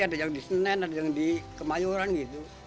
ada yang di senen ada yang di kemayoran gitu